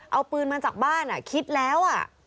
เอาปืนมาจากบ้านคิดแล้ว